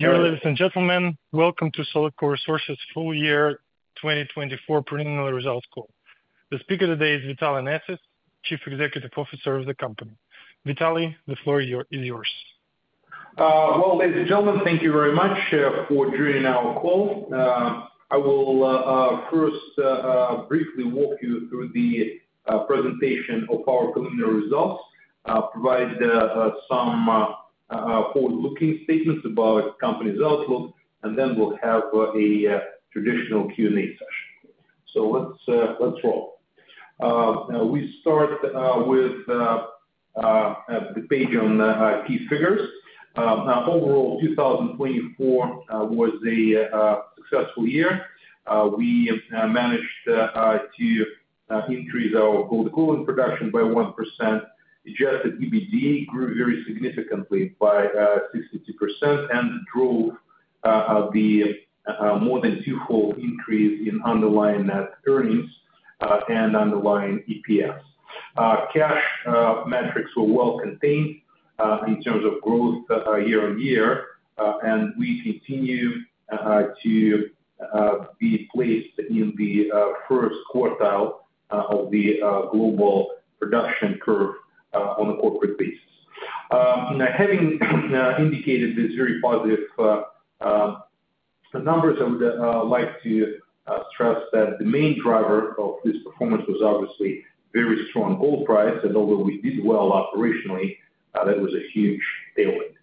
Dear ladies and gentlemen, welcome to Solidcore Resources' full year 2024 preliminary results call. The speaker today is Vitaly Nesis, Chief Executive Officer of the company. Vitaly, the floor is yours. Ladies and gentlemen, thank you very much for joining our call. I will first briefly walk you through the presentation of our preliminary results, provide some forward-looking statements about the company's outlook, and then we'll have a traditional Q&A session. Let's roll. We start with the page on key figures. Overall, 2024 was a successful year. We managed to increase our Coca-Cola production by 1%, adjusted EBITDA grew very significantly by 62%, and drove the more than twofold increase in underlying net earnings and underlying EPS. Cash metrics were well contained in terms of growth year on year, and we continue to be placed in the first quartile of the global production curve on a corporate basis. Having indicated these very positive numbers, I would like to stress that the main driver of this performance was obviously very strong gold price, and although we did well operationally, that was a huge tailwind.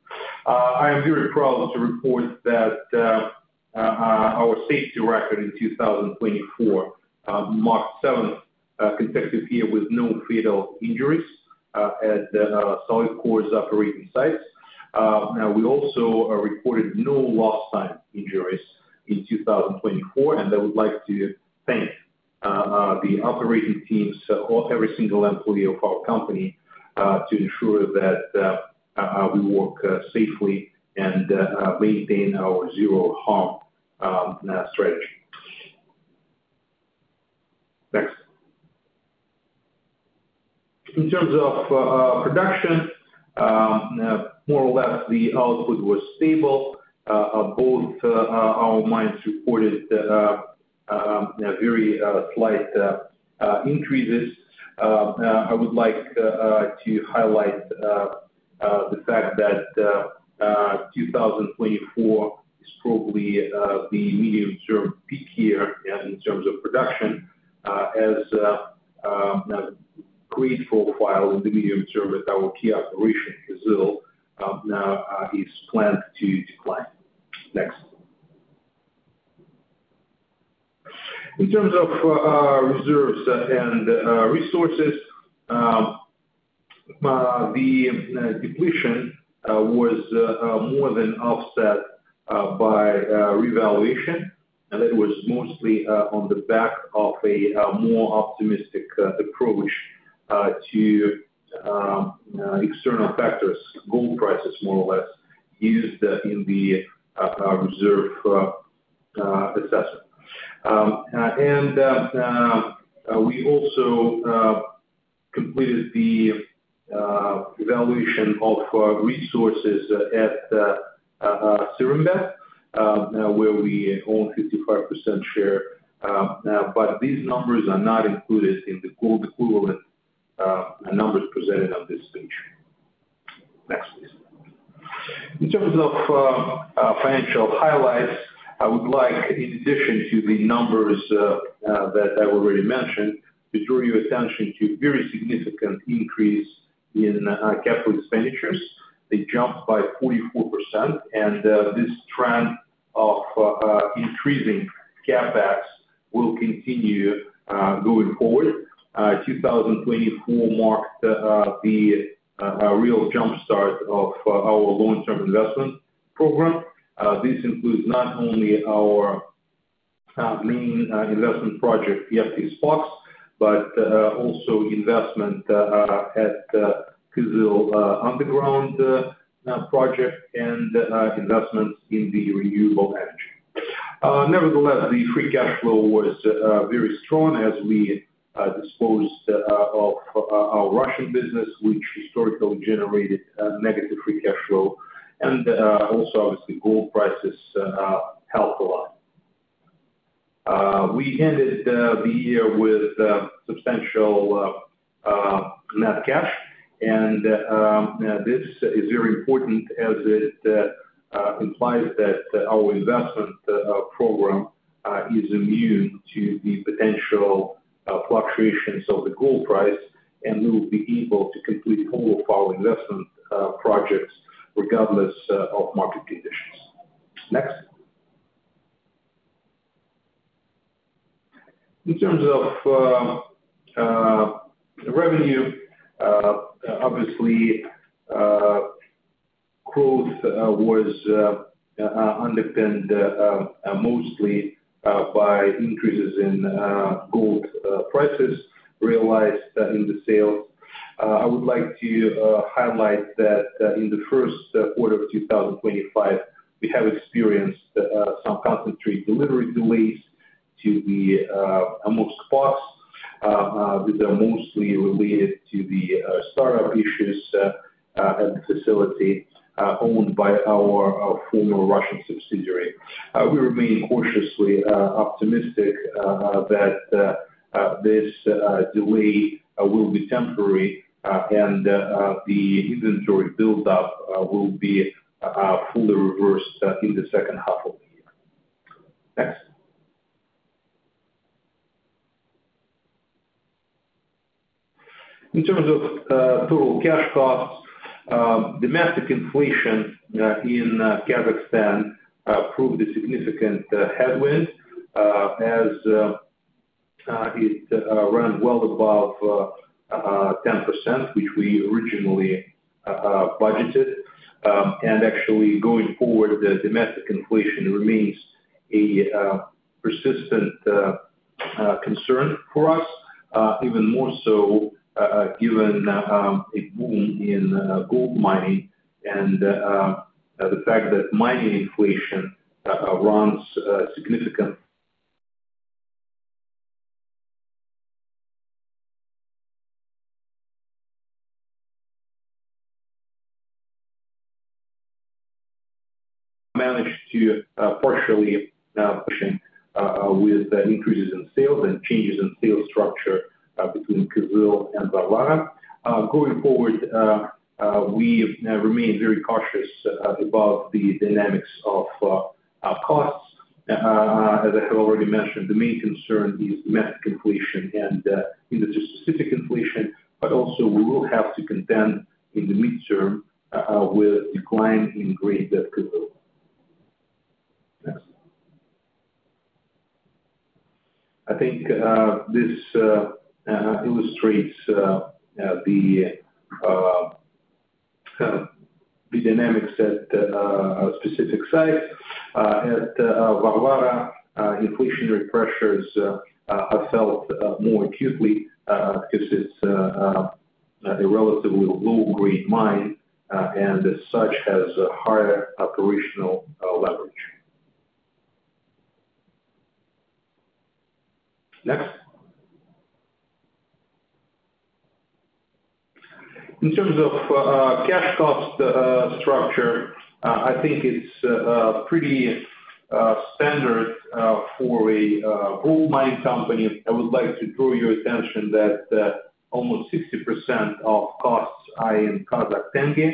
I am very proud to report that our safety record in 2024 marked seven consecutive years with no fatal injuries at Solidcore Resources' operating sites. We also reported no lost-time injuries in 2024, and I would like to thank the operating teams, every single employee of our company, to ensure that we work safely and maintain our zero-harm strategy. Next. In terms of production, more or less, the output was stable. Both our mines reported very slight increases. I would like to highlight the fact that 2024 is probably the medium-term peak year in terms of production, as grade profile in the medium-term at our key operation, Kyzyl, is planned to decline. Next. In terms of reserves and resources, the depletion was more than offset by revaluation, and it was mostly on the back of a more optimistic approach to external factors, gold prices more or less used in the reserve assessment. We also completed the evaluation of resources at Seremba, where we own 55% share, but these numbers are not included in the gold equivalent numbers presented on this page. Next, please. In terms of financial highlights, I would like, in addition to the numbers that I've already mentioned, to draw your attention to a very significant increase in capital expenditures. They jumped by 44%, and this trend of increasing CapEx will continue going forward. 2024 marked the real jumpstart of our long-term investment program. This includes not only our main investment project, EFT Spox, but also investment at Brazil Underground project and investments in the renewable energy. Nevertheless, the free cash flow was very strong as we disposed of our Russian business, which historically generated negative free cash flow, and also, obviously, gold prices helped a lot. We ended the year with substantial net cash, and this is very important as it implies that our investment program is immune to the potential fluctuations of the gold price, and we will be able to complete all of our investment projects regardless of market conditions. Next. In terms of revenue, obviously, growth was underpinned mostly by increases in gold prices realized in the sales. I would like to highlight that, in the first quarter of 2025, we have experienced some concentrate delivery delays to the Amongst Spox that are mostly related to the startup issues at the facility owned by our former Russian subsidiary. We remain cautiously optimistic that this delay will be temporary, and the inventory build-up will be fully reversed in the second half of the year. Next. In terms of total cash costs, domestic inflation in Kazakhstan proved a significant headwind, as it ran well above 10%, which we originally budgeted. Actually, going forward, the domestic inflation remains a persistent concern for us, even more so given a boom in gold mining and the fact that mining inflation runs significant. Managed to partially session with increases in sales and changes in sales structure between Brazil and Varvara. Going forward, we remain very cautious about the dynamics of costs. As I have already mentioned, the main concern is domestic inflation and industry-specific inflation, but also we will have to contend in the midterm with a decline in grade debt to go. Next. I think this illustrates the dynamics at specific sites. At Varvara, inflationary pressures are felt more acutely because it's a relatively low-grade mine, and as such has a higher operational leverage. Next. In terms of cash cost structure, I think it's pretty standard for a gold mine company. I would like to draw your attention that almost 60% of costs are in Kazakh Tenge,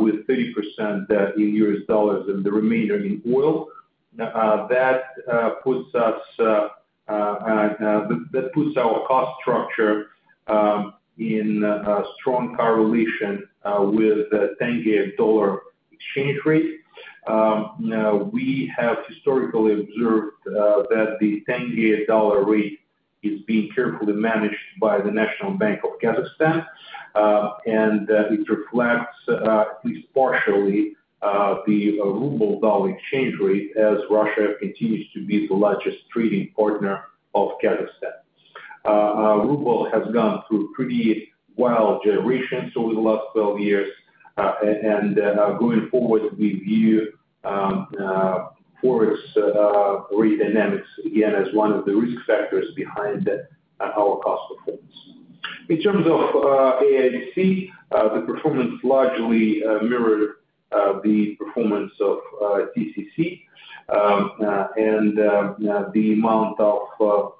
with 30% in US dollars and the remainder in oil. That puts us, that puts our cost structure, in strong correlation with the Tenge dollar exchange rate. We have historically observed that the Tenge dollar rate is being carefully managed by the National Bank of Kazakhstan, and it reflects at least partially the ruble-dollar exchange rate as Russia continues to be the largest trading partner of Kazakhstan. Ruble has gone through pretty wild generations over the last 12 years, and, going forward, we view forex rate dynamics again as one of the risk factors behind our cost performance. In terms of AISC, the performance largely mirrored the performance of TCC, and the amount of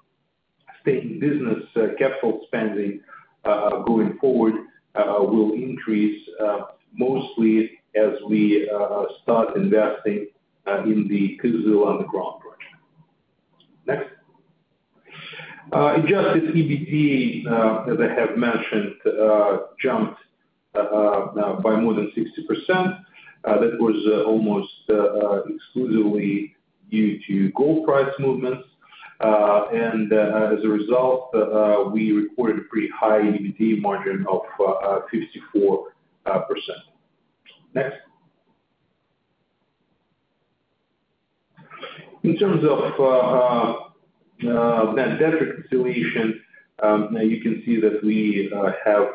state business capital spending, going forward, will increase, mostly as we start investing in the Brazil Underground project. Next. Adjusted EBITDA, as I have mentioned, jumped by more than 60%. That was almost exclusively due to gold price movements. As a result, we recorded a pretty high EBITDA margin of 54%. Next. In terms of net debt reconciliation, you can see that we have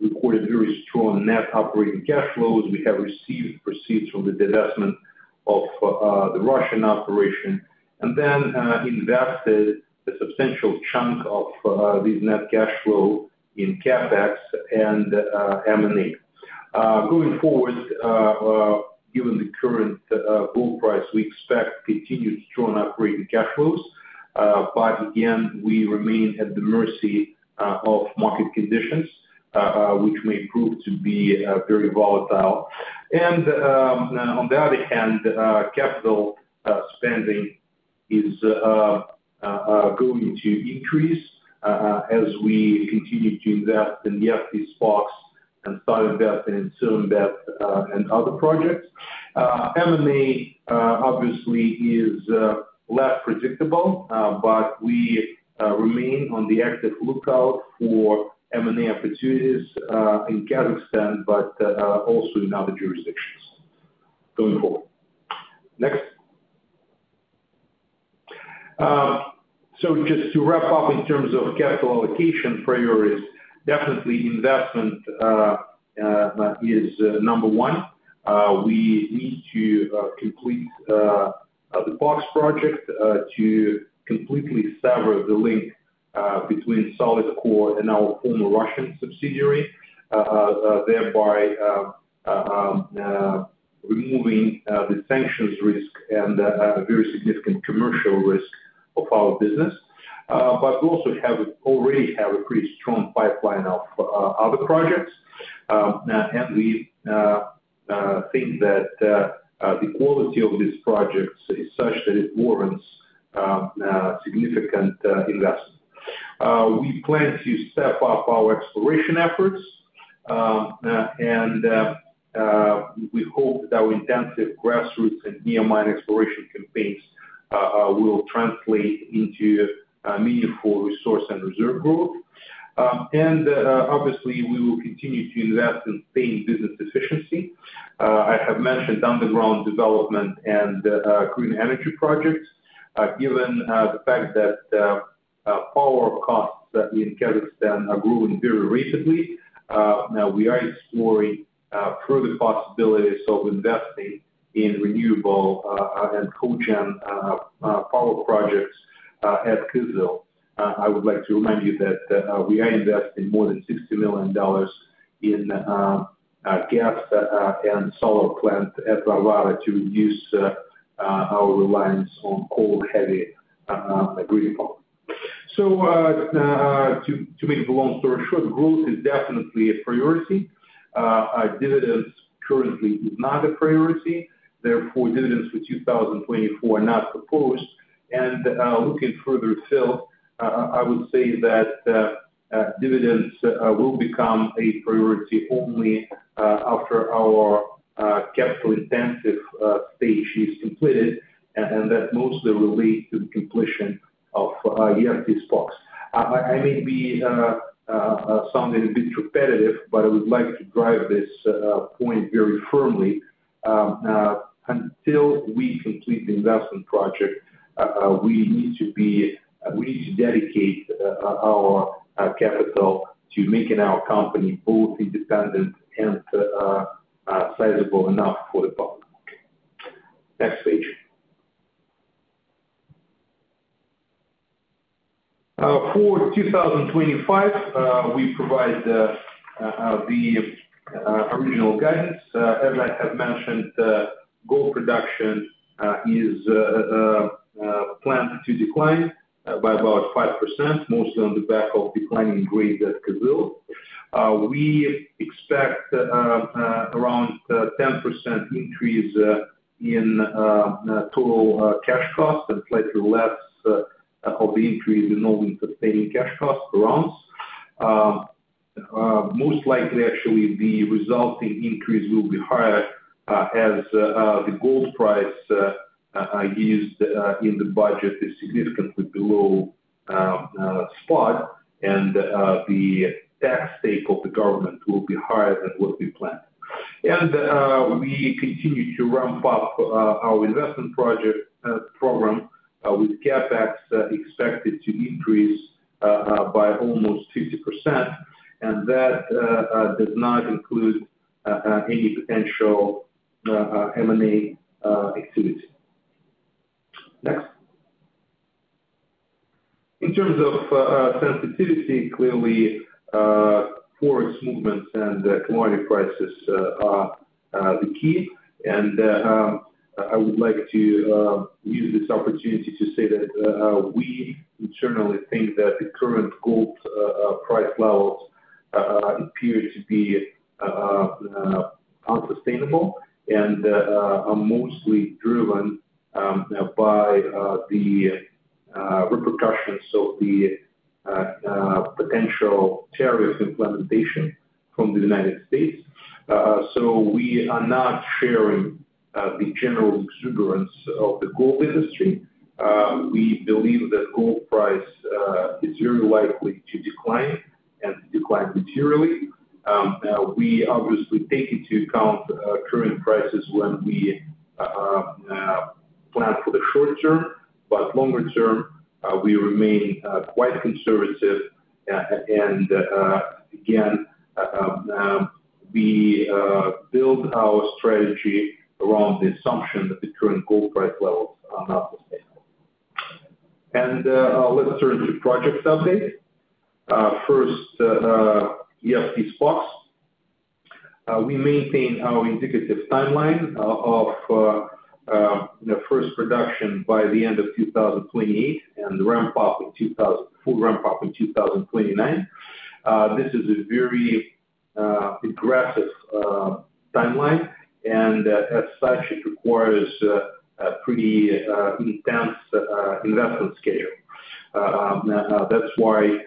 recorded very strong net operating cash flows. We have received receipts from the divestment of the Russian operation, and then invested a substantial chunk of this net cash flow in CapEx and M&A. Going forward, given the current gold price, we expect continued strong operating cash flows, but again, we remain at the mercy of market conditions, which may prove to be very volatile. On the other hand, capital spending is going to increase as we continue to invest in the FT Spox and start investing in Seremba and other projects. M&A obviously is less predictable, but we remain on the active lookout for M&A opportunities in Kazakhstan, but also in other jurisdictions going forward. Next, just to wrap up in terms of capital allocation priorities, definitely investment is number one. We need to complete the Spox project to completely sever the link between Solidcore and our former Russian subsidiary, thereby removing the sanctions risk and very significant commercial risk of our business. We also already have a pretty strong pipeline of other projects, and we think that the quality of these projects is such that it warrants significant investment. We plan to step up our exploration efforts, and we hope that our intensive grassroots and near-mine exploration campaigns will translate into meaningful resource and reserve growth. Obviously, we will continue to invest in staying business efficiency. I have mentioned underground development and green energy projects. Given the fact that power costs in Kazakhstan are growing very rapidly, we are exploring further possibilities of investing in renewable and cogen power projects at Kyzyl. I would like to remind you that we are investing more than $60 million in gas and solar plant at Varvara to reduce our reliance on coal-heavy grid power. To make the long story short, growth is definitely a priority. Dividends currently is not a priority. Therefore, dividends for 2024 are not proposed. Looking further to fill, I would say that dividends will become a priority only after our capital-intensive stage is completed, and that mostly relates to the completion of EFT Spox. I may be sounding a bit repetitive, but I would like to drive this point very firmly. Until we complete the investment project, we need to dedicate our capital to making our company both independent and sizable enough for the public market. Next page. For 2025, we provide the original guidance. As I have mentioned, gold production is planned to decline by about 5%, mostly on the back of declining grade debt to gold. We expect around a 10% increase in total cash cost and slightly less of the increase in all interest-paid cash cost rounds. Most likely, actually, the resulting increase will be higher, as the gold price used in the budget is significantly below spot, and the tax stake of the government will be higher than what we planned. We continue to ramp up our investment project program, with CapEx expected to increase by almost 50%, and that does not include any potential M&A activity. Next. In terms of sensitivity, clearly, forex movements and commodity prices are the key. I would like to use this opportunity to say that we internally think that the current gold price levels appear to be unsustainable and are mostly driven by the repercussions of the potential tariff implementation from the United States. We are not sharing the general exuberance of the gold industry. We believe that gold price is very likely to decline and to decline materially. We obviously take into account current prices when we plan for the short term, but longer term, we remain quite conservative. Again, we build our strategy around the assumption that the current gold price levels are not sustainable. Let's turn to project update. First, EFT Spox. We maintain our indicative timeline of first production by the end of 2028 and full ramp up in 2029. This is a very aggressive timeline, and as such, it requires a pretty intense investment schedule. That's why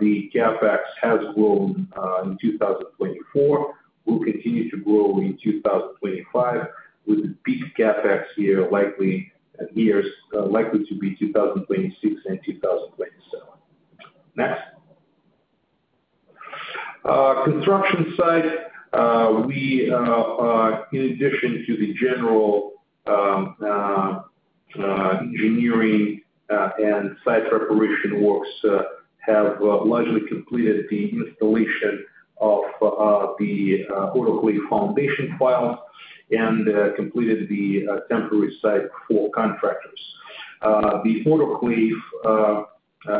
the CapEx has grown in 2024. We'll continue to grow in 2025 with the peak CapEx year likely in 2026 and 2027. Next, construction site. In addition to the general engineering and site preparation works, we have largely completed the installation of the autoclave foundation piles and completed the temporary site for contractors. The autoclave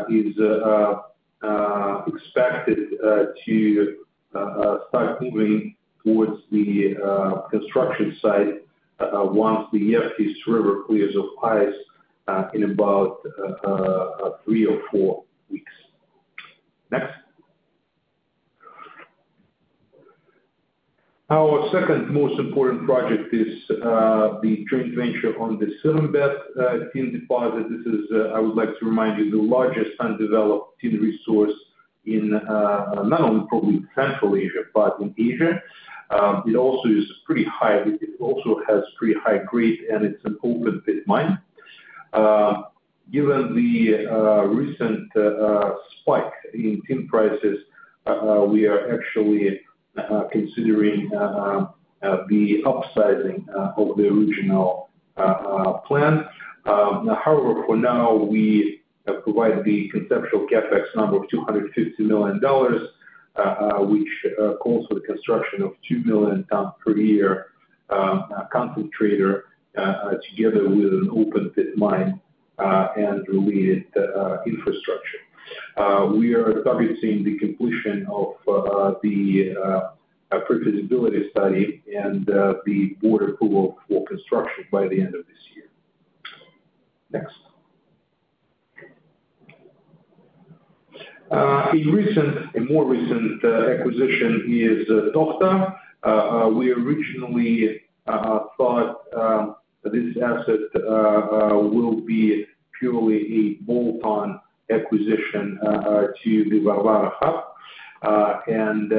is expected to start moving towards the construction site once the EFT's river clears of ice, in about three or four weeks. Next. Our second most important project is the joint venture on the Seremba tin deposit. This is, I would like to remind you, the largest undeveloped tin resource in not only probably Central Asia, but in Asia. It also has pretty high grade, and it's an open pit mine. Given the recent spike in tin prices, we are actually considering the upsizing of the original plan. However, for now, we provide the conceptual CapEx number of $250 million, which calls for the construction of a 2 million ton per year concentrator, together with an open pit mine and related infrastructure. We are targeting the completion of the pre-feasibility study and the board approval for construction by the end of this year. Next. A recent, a more recent, acquisition is Toxta. We originally thought this asset will be purely a bolt-on acquisition to the Varvara hub and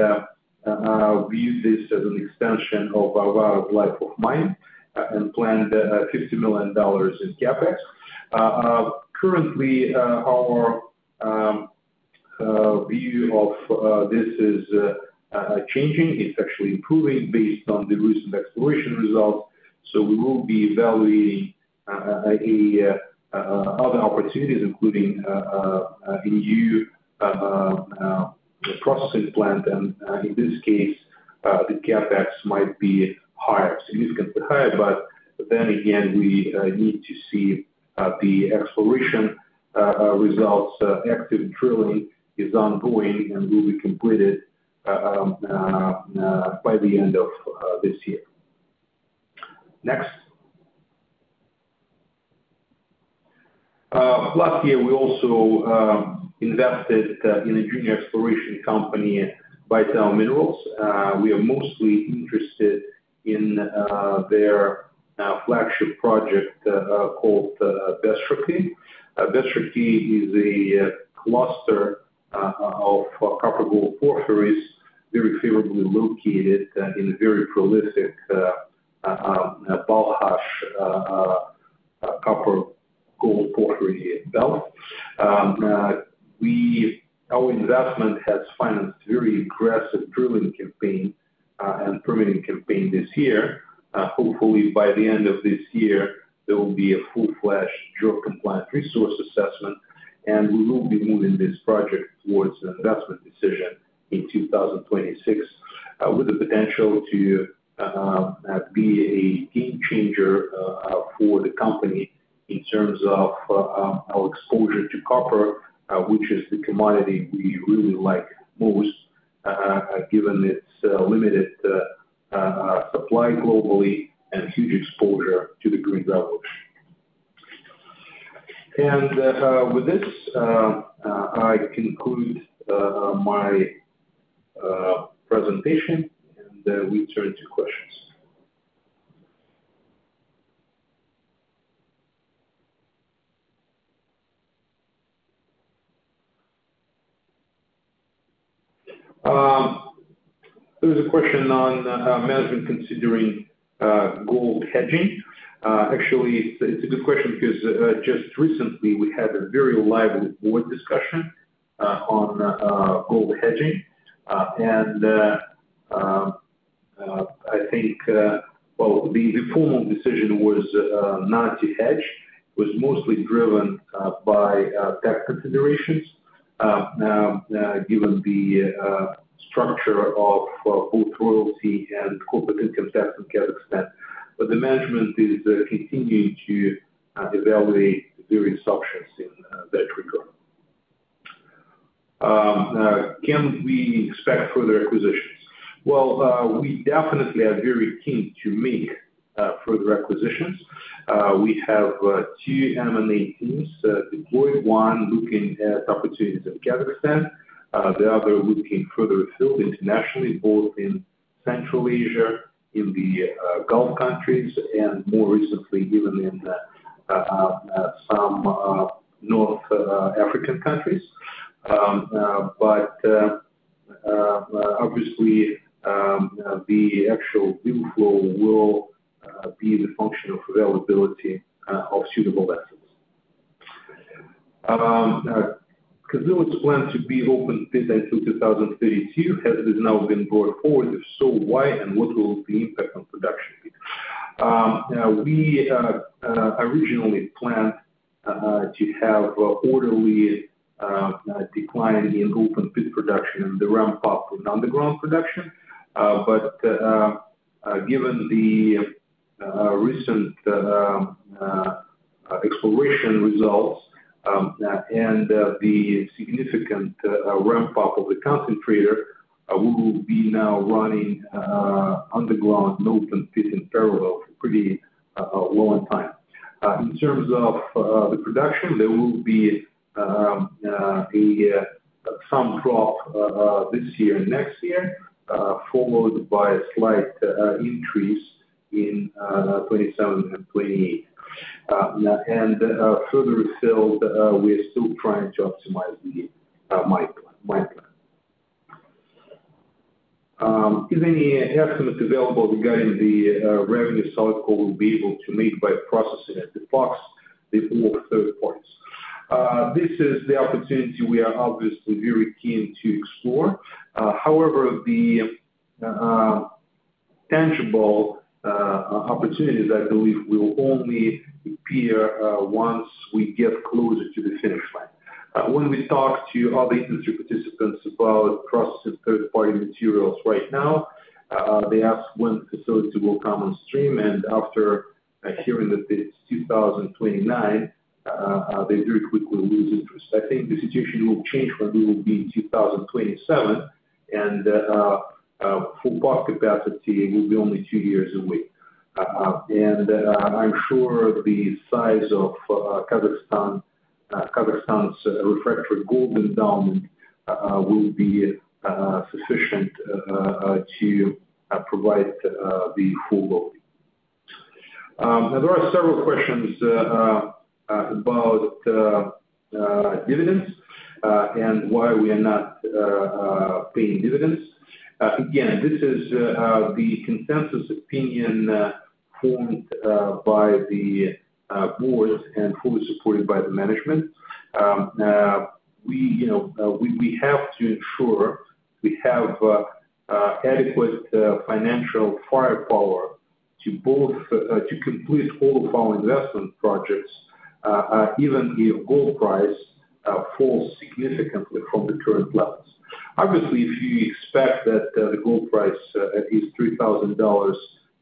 viewed this as an extension of Varvara's life of mine and planned $50 million in CapEx. Currently, our view of this is changing. It's actually improving based on the recent exploration results. We will be evaluating other opportunities, including a new processing plant. In this case, the CapEx might be higher, significantly higher. We need to see the exploration results. Active drilling is ongoing and will be completed by the end of this year. Next. Last year, we also invested in a junior exploration company by Tau Minerals. We are mostly interested in their flagship project, called Bestrakey. Bestrakey is a cluster of copper gold porphyries, very favorably located in a very prolific Balkhash copper gold porphyry belt. Our investment has financed a very aggressive drilling campaign, and permitting campaign this year. Hopefully, by the end of this year, there will be a full-fledged JORC-compliant resource assessment, and we will be moving this project towards an investment decision in 2026, with the potential to be a game changer for the company in terms of our exposure to copper, which is the commodity we really like most, given its limited supply globally and huge exposure to the green revolution. With this, I conclude my presentation, and we turn to questions. There was a question on management considering It was mostly driven by tax considerations, given the structure of both royalty and corporate income tax in Kazakhstan. The management is continuing to evaluate various options in that regard. Can we expect further acquisitions? We definitely are very keen to make further acquisitions. We have two M&A teams deployed, one looking at opportunities in Kazakhstan, the other looking further afield internationally, both in Central Asia, in the Gulf countries, and more recently, even in some North African countries. Obviously, the actual deal flow will be the function of availability of suitable assets. Kyzyl's plan to be open pit until 2032. Has this now been brought forward? If so, why, and what will be the impact on production? We originally planned to have orderly decline in open pit production and the ramp up of underground production. Given the recent exploration results and the significant ramp up of the concentrator, we will be now running underground and open pit in parallel for a pretty long time. In terms of the production, there will be a some drop this year and next year, followed by a slight increase in 2027 and 2028. Further afield, we are still trying to optimize the mine plan. Is any estimate available regarding the revenue Solidcore will be able to make by processing at the POX the ore third parts? This is the opportunity we are obviously very keen to explore. However, the tangible opportunities, I believe, will only appear once we get closer to the finish line. When we talk to other industry participants about processing third-party materials right now, they ask when the facility will come on stream. After hearing that it is 2029, they very quickly lose interest. I think the situation will change when we will be in 2027, and full path capacity will be only two years away. I am sure the size of Kazakhstan, Kazakhstan's refractory gold endowment, will be sufficient to provide the full load. Now there are several questions about dividends and why we are not paying dividends. Again, this is the consensus opinion formed by the board and fully supported by the management. You know, we have to ensure we have adequate financial firepower to both complete all of our investment projects, even if gold price falls significantly from the current levels. Obviously, if you expect that the gold price is $3,000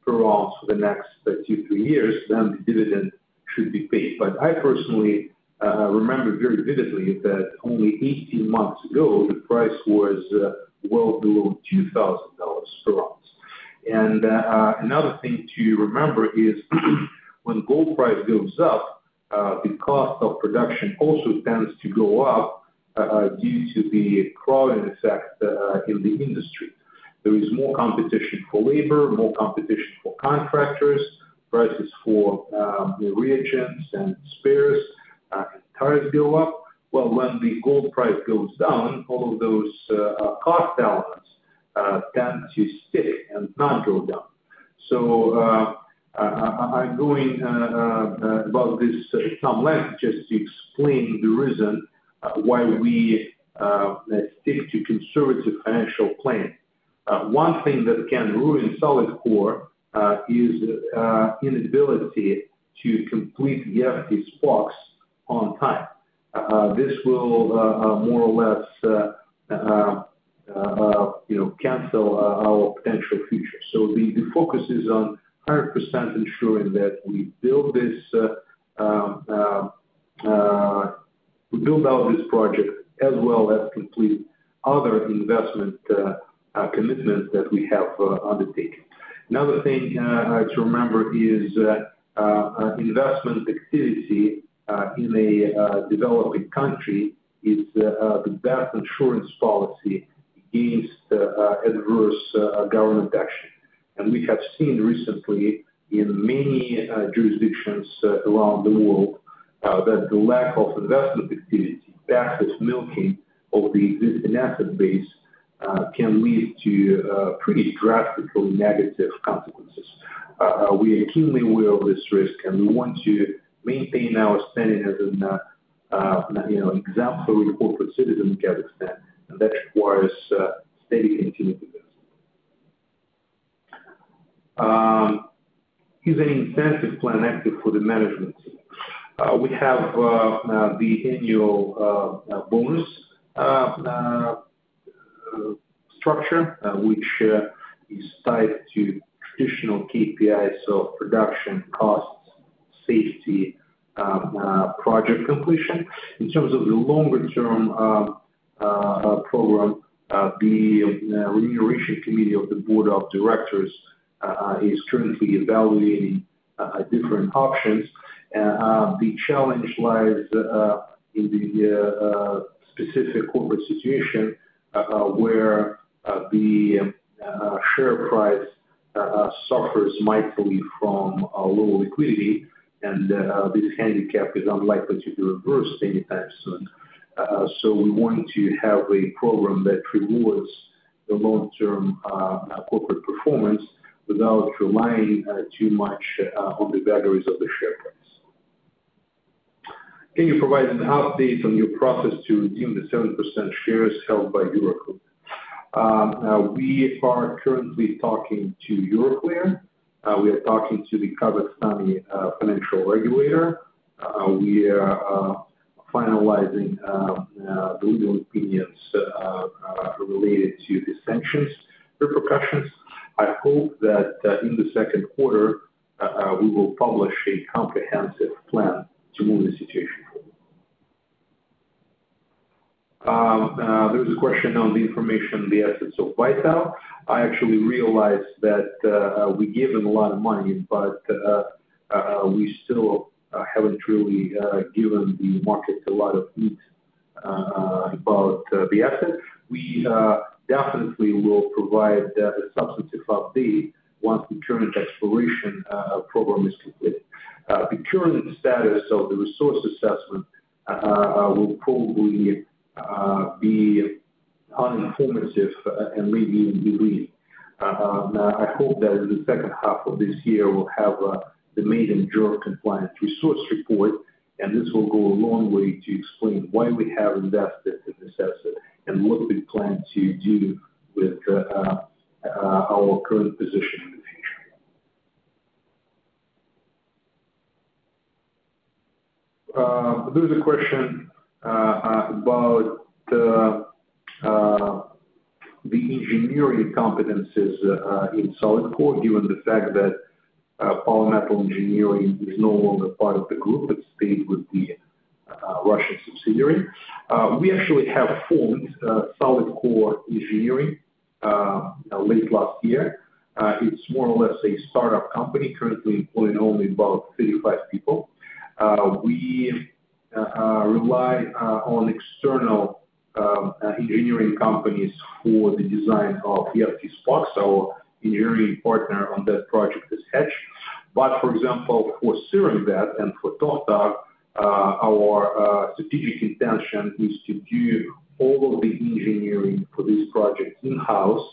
per ounce for the next two, three years, then the dividend should be paid. I personally remember very vividly that only 18 months ago, the price was well below $2,000 per ounce. Another thing to remember is when gold price goes up, the cost of production also tends to go up, due to the crowding effect in the industry. There is more competition for labor, more competition for contractors, prices for reagents and spares, and tires go up. When the gold price goes down, all of those cost elements tend to stick and not go down. I am going about this at some length just to explain the reason why we stick to conservative financial planning. One thing that can ruin Solidcore Resources is inability to complete the EFT's box on time. This will more or less, you know, cancel our potential future. The focus is on 100% ensuring that we build this, we build out this project as well as complete other investment commitments that we have undertaken. Another thing to remember is, investment activity in a developing country is the best insurance policy against adverse government action. We have seen recently in many jurisdictions around the world that the lack of investment activity, passive milking of the existing asset base, can lead to pretty drastically negative consequences. We are keenly aware of this risk, and we want to maintain our standing as an, you know, exemplary corporate citizen in Kazakhstan, and that requires steady continued investment. Is an incentive plan active for the management? We have the annual bonus structure, which is tied to traditional KPIs of production, costs, safety, project completion. In terms of the longer-term program, the remuneration committee of the board of directors is currently evaluating different options. The challenge lies in the specific corporate situation, where the share price suffers mightily from low liquidity, and this handicap is unlikely to be reversed anytime soon. We want to have a program that rewards the long-term corporate performance without relying too much on the values of the share price. Can you provide an update on your process to redeem the 7% shares held by Euroclear? We are currently talking to Euroclear. We are talking to the Kazakhstani financial regulator. We are finalizing the legal opinions related to the sanctions repercussions. I hope that in the second quarter, we will publish a comprehensive plan to move the situation forward. There was a question on the information on the assets of Baital. I actually realized that we gave him a lot of money, but we still haven't really given the market a lot of meat about the assets. We definitely will provide a substantive update once the current exploration program is complete. The current status of the resource assessment will probably be uninformative and maybe even delayed. I hope that in the second half of this year, we'll have the made-in-during compliance resource report, and this will go a long way to explain why we have invested in this asset and what we plan to do with our current position in the future. There was a question about the engineering competencies in Solidcore, given the fact that Polymetal Engineering is no longer part of the group. It stayed with the Russian subsidiary. We actually have formed Solidcore Engineering late last year. It's more or less a startup company currently employing only about 35 people. We rely on external engineering companies for the design of EFT's box. Our engineering partner on that project is Hatch. For example, for Seremba and for Toxta, our strategic intention is to do all of the engineering for this project in-house,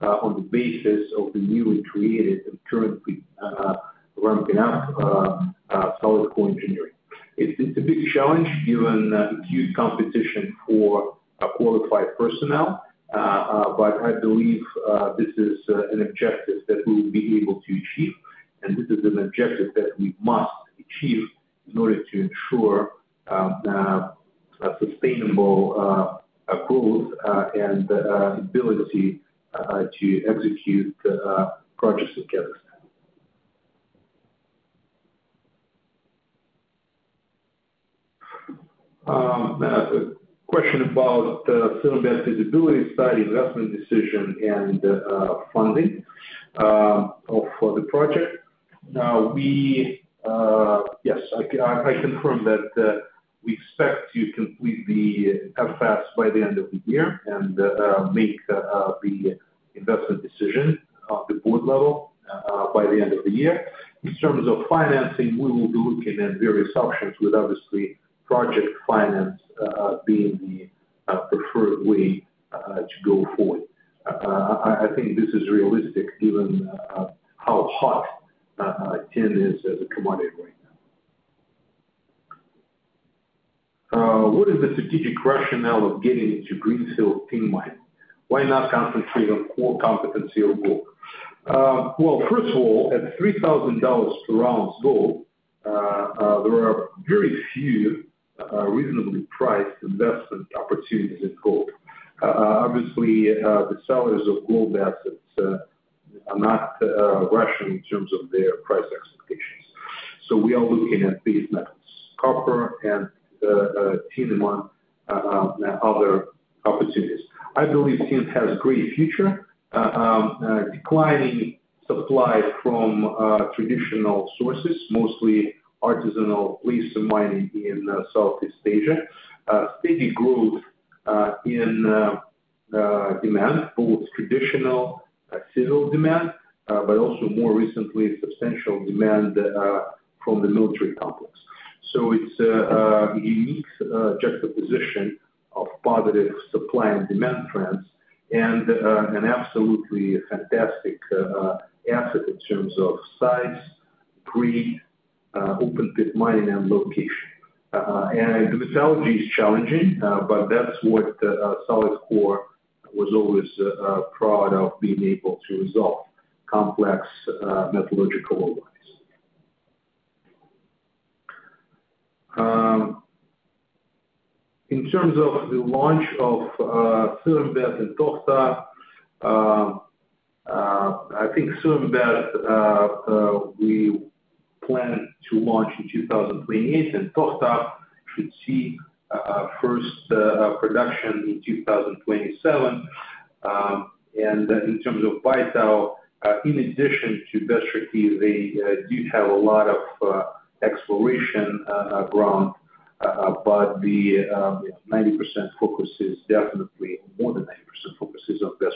on the basis of the newly created and currently ramping up Solidcore Engineering. It's a big challenge given the huge competition for qualified personnel. I believe this is an objective that we will be able to achieve, and this is an objective that we must achieve in order to ensure sustainable growth and ability to execute projects in Kazakhstan. Question about Seremba's visibility study, investment decision, and funding of the project. Yes, I confirm that we expect to complete the FFS by the end of the year and make the investment decision on the board level by the end of the year. In terms of financing, we will be looking at various options, with obviously project finance being the preferred way to go forward. I think this is realistic given how hot tin is as a commodity right now. What is the strategic rationale of getting into greenfield tin mining? Why not concentrate on core competency or gold? First of all, at $3,000 per ounce gold, there are very few reasonably priced investment opportunities in gold. Obviously, the sellers of gold assets are not rushing in terms of their price expectations. We are looking at these methods: copper and tin and other opportunities. I believe tin has a great future. Declining supply from traditional sources, mostly artisanal laser mining in Southeast Asia. Steady growth in demand, both traditional civil demand, but also more recently substantial demand from the military complex. It is a unique juxtaposition of positive supply and demand trends and an absolutely fantastic asset in terms of size, grade, open pit mining, and location. The metallurgy is challenging, but that is what Solidcore was always proud of, being able to resolve complex metallurgical alliance. In terms of the launch of Cyringbat and Tochtog, I think Cyringbat, we plan to launch in 2028, and Tochtog should see first production in 2027. In terms of Baital, in addition to Bestrakey, they do have a lot of exploration ground, but the 90% focus is definitely more than 90% focuses on Bestrakey.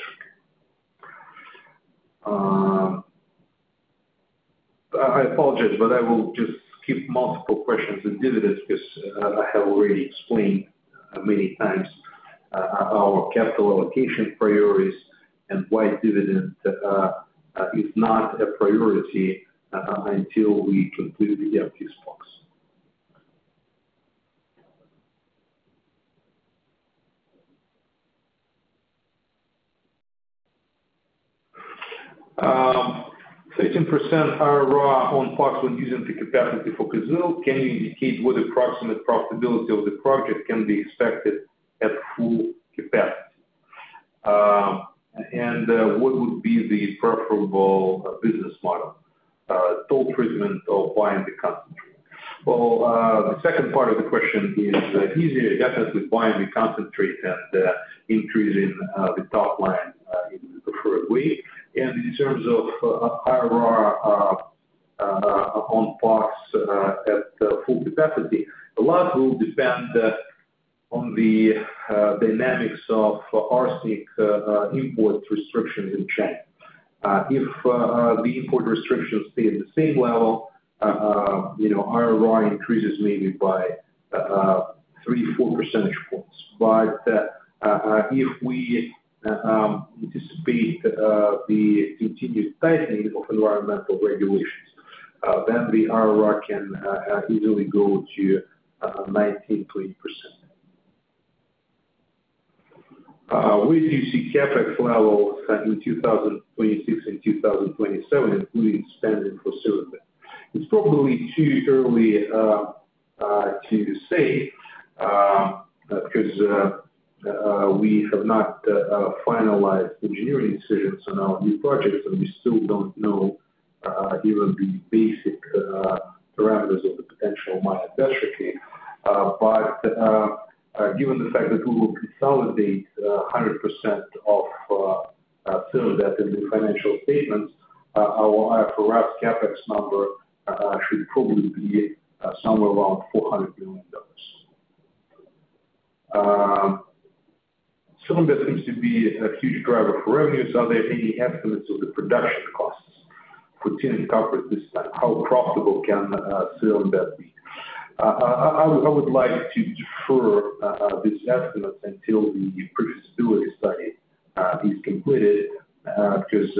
I apologize, but I will just skip multiple questions on dividends because I have already explained many times our capital allocation priorities and why dividend is not a priority until we complete the EFT's box. 13% are raw on parcel using the capacity for caselles. Can you indicate what approximate profitability of the project can be expected at full capacity? What would be the preferable business model? Toll treatment or buying the concentrate? The second part of the question is easier. Definitely buying the concentrate and increasing the top line in the preferred way. In terms of IRR on parcel at full capacity, a lot will depend on the dynamics of arsenic import restrictions in China. If the import restrictions stay at the same level, you know, IRR increases maybe by three, four percentage points. If we anticipate the continued tightening of environmental regulations, then the IRR can easily go to 19-20%. Where do you see CapEx levels in 2026 and 2027, including spending for Cyringbat? It's probably too early to say, because we have not finalized engineering decisions on our new projects, and we still don't know even the basic parameters of the potential mining Bestrakey. Given the fact that we will consolidate 100% of Cyringbat in the financial statements, our IRR for CapEx number should probably be somewhere around $400 million. Cyringbat seems to be a huge driver for revenue. Are there any estimates of the production costs for tin and copper at this time? How profitable can Cyringbat be? I would like to defer these estimates until the previous stability study is completed, because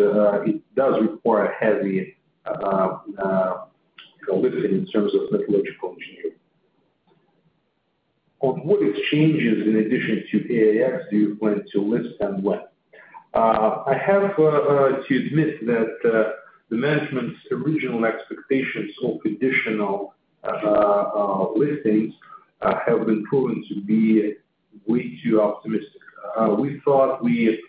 it does require heavy listing in terms of metallurgical engineering. On what exchanges in addition to AAX do you plan to list and when? I have to admit that the management's original expectations of additional listings have been proven to be way too optimistic. We thought we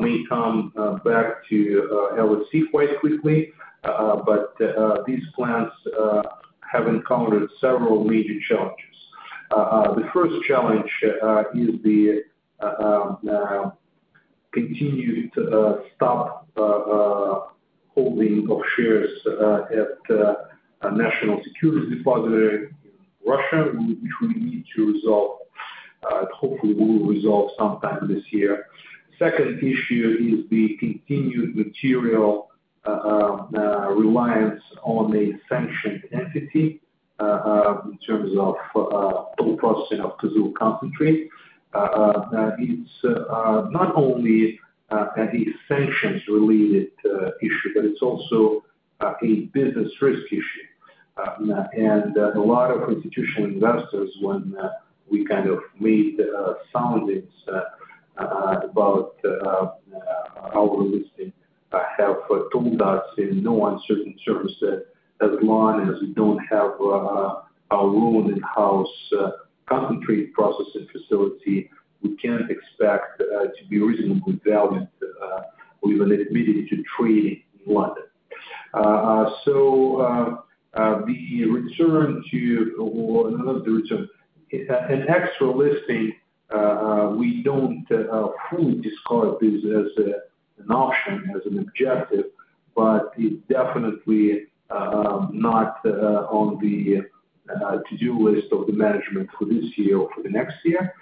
may come back to LSC quite quickly, but these plans have encountered several major challenges. The first challenge is the continued stop holding of shares at National Securities Depository in Russia, which we need to resolve, hopefully we will resolve sometime this year. Second issue is the continued material reliance on a sanctioned entity in terms of toll processing of caselled concentrate. It's not only an essentials-related issue, but it's also a business risk issue. A lot of institutional investors, when we kind of made soundings about our listing, have told us in no uncertain terms that as long as we do not have our own in-house concentrate processing facility, we cannot expect to be reasonably valued or even admitted to trading in London. The return to, or not the return, an extra listing, we do not fully describe this as an option, as an objective, but it is definitely not on the to-do list of the management for this year or for the next year.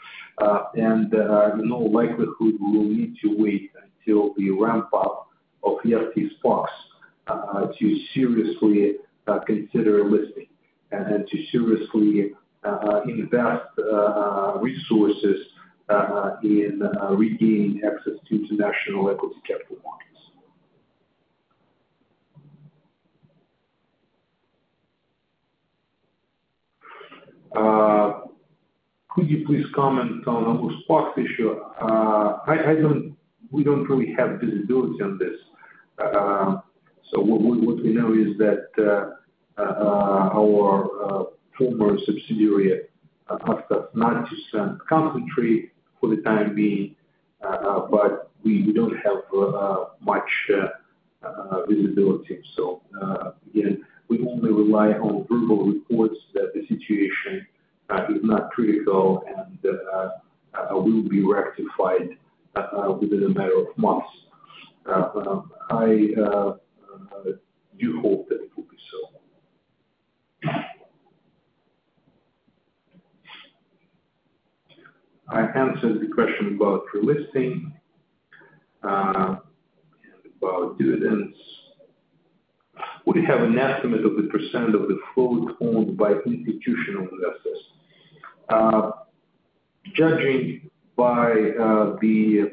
In all likelihood, we will need to wait until the ramp-up of EFT's box to seriously consider listing and to seriously invest resources in regaining access to international equity capital markets. Could you please comment on the most box issue? I do not, we do not really have visibility on this. What we know is that our former subsidiary, Tochtog, not to send concentrate for the time being, but we do not have much visibility. Again, we only rely on verbal reports that the situation is not critical and will be rectified within a matter of months. I do hope that it will be so. I answered the question about relisting, and about dividends. Would you have an estimate of the % of the float owned by institutional investors? Judging by the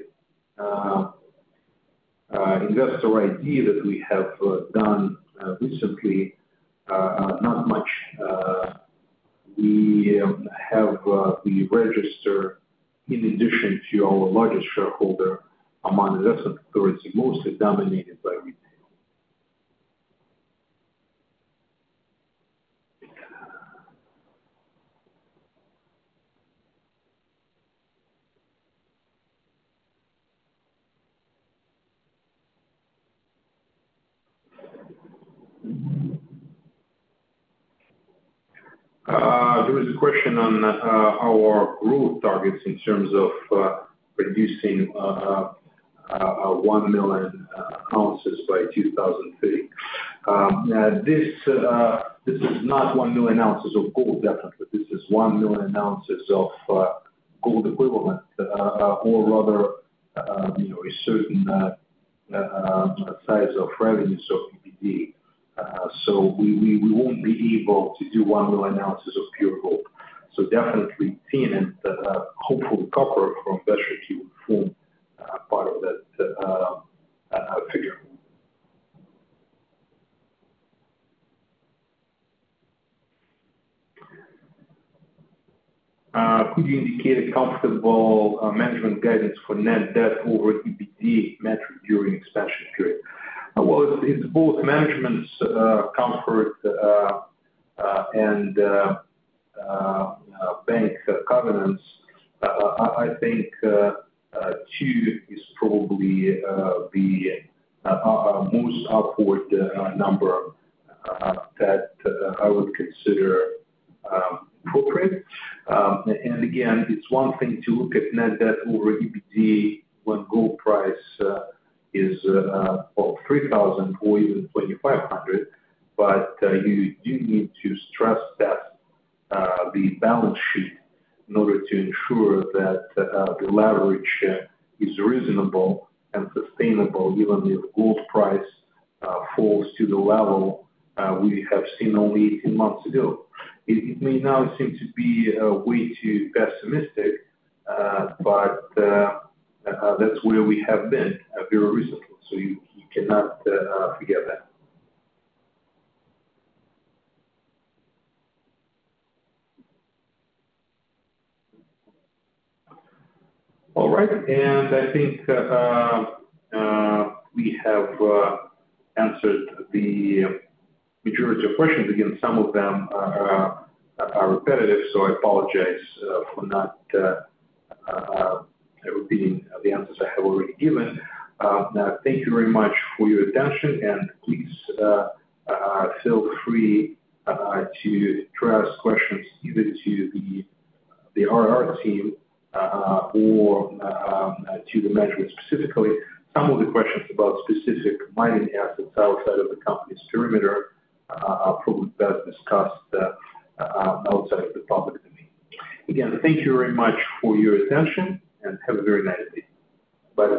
investor ID that we have done recently, not much. We have the register in addition to our largest shareholder among Investment authority, mostly dominated by retail. There is a question on our growth targets in terms of producing 1 million ounces by 2030. This is not 1 million ounces of gold, definitely. This is 1 million ounces of gold equivalent, or rather, you know, a certain size of revenues of EBITDA. We won't be able to do 1 million ounces of pure gold. Definitely tin and, hopefully, copper from Bestrakey will form part of that figure. Could you indicate a comfortable management guidance for net debt over EBITDA metric during expansion period? It is both management's comfort and bank covenants. I think two is probably the most upward number that I would consider appropriate. Again, it is one thing to look at net debt over EBITDA when gold price is, well, $3,000 or even $2,500, but you do need to stress test the balance sheet in order to ensure that the leverage is reasonable and sustainable even if gold price falls to the level we have seen only 18 months ago. It may now seem to be way too pessimistic, but that's where we have been very recently. You cannot forget that. All right. I think we have answered the majority of questions. Again, some of them are repetitive, so I apologize for not repeating the answers I have already given. Thank you very much for your attention, and please feel free to address questions either to the IRR team or to the management specifically. Some of the questions about specific mining assets outside of the company's perimeter are probably best discussed outside of the public domain. Again, thank you very much for your attention, and have a very nice day. Bye.